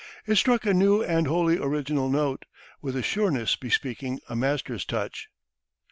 It struck a new and wholly original note, with a sureness bespeaking a master's touch.